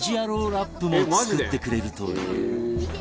ラップも作ってくれるという